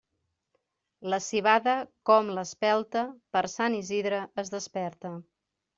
La civada, com l'espelta, per Sant Isidre es desperta.